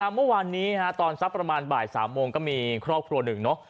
เมื่อวานนี้ตอนสักประมาณบ่าย๓โมงก็มีครอบครัวหนึ่งเนอะ